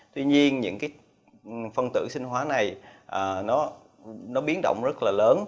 tuy nhiên những cái phân tử sinh hóa này nó biến động rất là lớn